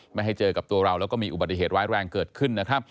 ไม่ให้เจอกับตัวเราแล้วก็มีอุบัติเหตุร้ายแรงเกิดขึ้นนะครับ